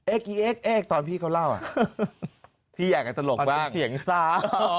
เอ๊กอีเอ๊กเอ๊กตอนพี่เขาเล่าอ่ะพี่อยากกันตลกบ้างอันนี้เสียงซ้า